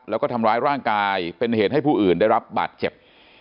แล้วก็ทำร้ายร่างกายเป็นเหตุให้ผู้อื่นได้รับบาดเจ็บ